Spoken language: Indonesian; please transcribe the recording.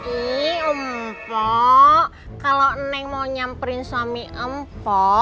ih mpo kalo neng mau nyamperin suami mpo